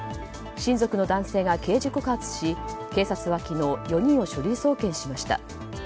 親族の男性が刑事告発し警察は昨日４人を書類送検しました。